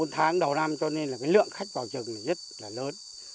ba bốn tháng đầu năm cho nên là cái lượng khách vào rừng là rất là lớn